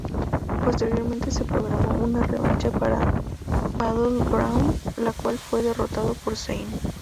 Posteriormente se programó una revancha para Battleground la cual fue derrotado por Zayn.